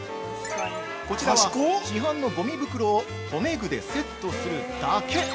こちらは、市販のごみ袋を留め具でセットするだけ。